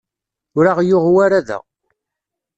Ur aɣ-yuɣ wara da.